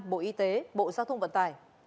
bộ y tế bộ giao thông vận tải